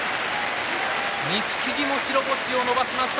錦木、白星を伸ばしました